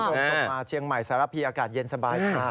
ส่งมาเชียงใหม่สารพีอากาศเย็นสบายค่ะ